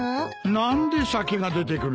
何で酒が出てくるんだ？